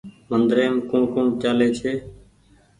مندريم ڪوٚڻ ڪوٚڻ چآلي ڇي